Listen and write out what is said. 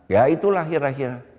ya itulah akhir akhir